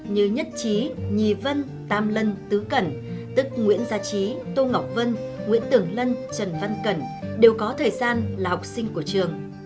như nhất trí nhì vân tam lân tứ cẩn tức nguyễn gia trí tô ngọc vân nguyễn tưởng lân trần văn cẩn đều có thời gian là học sinh của trường